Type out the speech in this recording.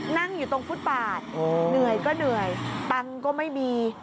นั่งอยู่ตรงฟุตบาทเหนื่อยก็เหนื่อยตังค์ก็ไม่มี